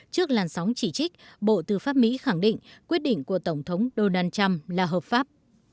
trước làn sóng chỉ trích bộ tư pháp mỹ khẳng định quyết định của tổng thống donald trump là hợp pháp